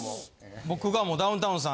僕がもうダウンタウンさん